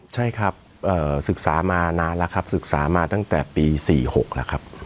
ใช่ครับศึกษามานานแล้วครับศึกษามาตั้งแต่ปี๔๖แล้วครับ